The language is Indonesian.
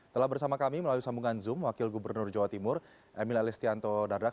telah bersama kami melalui sambungan zoom wakil gubernur jawa timur emil elistianto dardak